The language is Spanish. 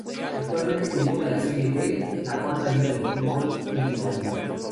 Actualmente milita en la Serie D, la cuarta liga de fútbol in Italia.